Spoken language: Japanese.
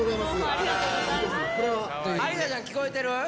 ありさちゃん、聞こえてる？